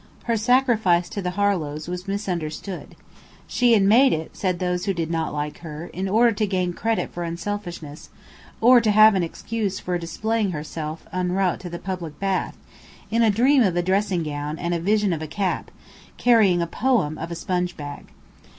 Her sacrifice to the Harlows was misunderstood. She had made it, said those who did not like her, in order to gain credit for unselfishness, or to have an excuse for displaying herself en route to the public bath, in a dream of a dressing gown, and a vision of a cap, carrying a poem of a sponge bag.